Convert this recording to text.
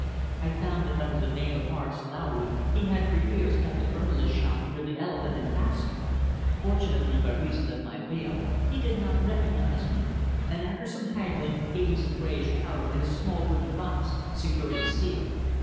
I found that under the name of Morris Lowry he had for years kept a herbalist's shop near the Elephant and Castle. Fortunately, by reason of my veil, he did not recognise me, and after some haggling gave me some greyish powder in a small wooden box securely sealed.